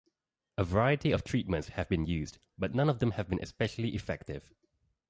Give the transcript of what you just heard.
A variety of treatments have been used, but none have been especially effective.